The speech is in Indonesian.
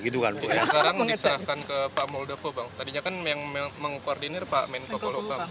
sekarang diserahkan ke pak muldoko tadinya kan yang mengkoordinir pak menko polhukam